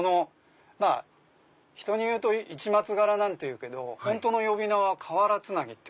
まぁ人にいうと市松柄なんていうけど本当の呼び名は瓦つなぎ。